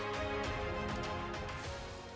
dunia pendidikan harus tetap dikedepankan